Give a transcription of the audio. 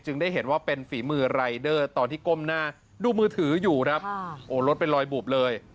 ได้เห็นว่าเป็นฝีมือรายเดอร์ตอนที่ก้มหน้าดูมือถืออยู่ครับโอ้รถเป็นรอยบุบเลย